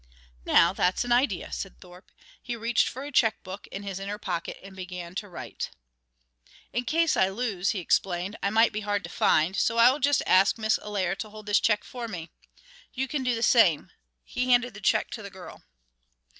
"Now that's an idea," said Thorpe. He reached for a check book in his inner pocket and began to write. "In case I lose," he explained, "I might be hard to find, so I will just ask Miss Allaire to hold this check for me. You can do the same." He handed the check to the girl.